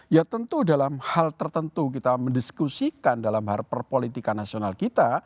ya tentu dalam hal tertentu kita mendiskusikan dalam perpolitikan nasional kita